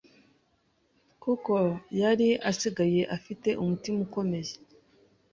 kuko yari asigaye afite umutima ukomeye